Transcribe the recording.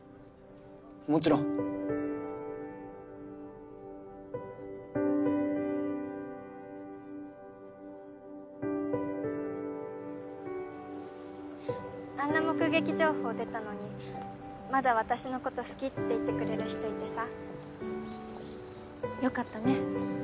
もちろんあんな目撃情報出たのにまだ私のこと好きって言ってくれる人いてさよかったね